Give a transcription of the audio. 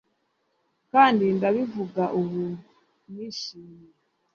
kandi ndabivuga ubu nishimye